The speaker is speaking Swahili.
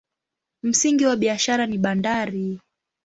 Msingi wa biashara ni bandari.